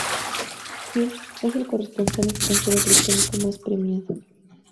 Fisk es el corresponsal extranjero británico más premiado.